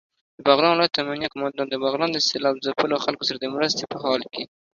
دبغلان ولايت امنيه قوماندان دبغلان د سېلاب ځپلو خلکو سره دمرستې په حال کې